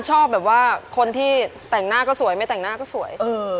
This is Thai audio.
ชอบแบบว่าคนที่แต่งหน้าก็สวยไม่แต่งหน้าก็สวย